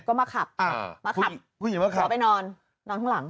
ก็มาขับมาขับขอไปนอนนอนข้างหลัง